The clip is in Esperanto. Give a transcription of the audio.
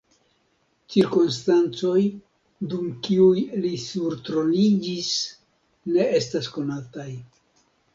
Cirkonstancoj, dum kiuj li surtroniĝis, ne estas konataj.